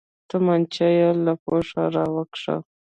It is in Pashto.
تمانچه يې له پوښه راوکښ.